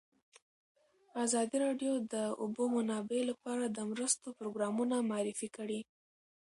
ازادي راډیو د د اوبو منابع لپاره د مرستو پروګرامونه معرفي کړي.